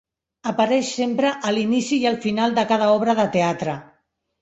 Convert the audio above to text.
Apareix sempre a l'inici i al final de cada obra de teatre.